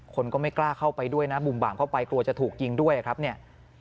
คนก็ไม่กล้าเข้าไปด้วยนะบุ่มบามเข้าไปกลัวจะถูกยิงด้วยครับเนี่ย